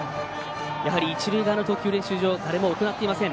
やはり一塁側の投球練習場誰も行っていません。